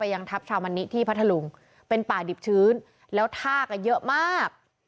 ยังทัพชาวมันนิที่พัทธลุงเป็นป่าดิบชื้นแล้วท่าก็เยอะมาก